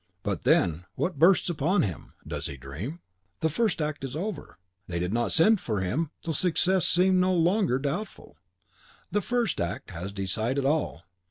But then, what bursts upon him! Does he dream? The first act is over (they did not send for him till success seemed no longer doubtful); the first act has decided all.